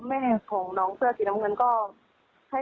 แม่ของน้องเสื้อสีน้ำเงินก็ให้